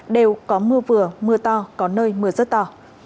đều có mưa vừa mưa to có nơi mưa rất to